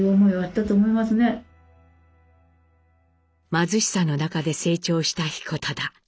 貧しさの中で成長した彦忠。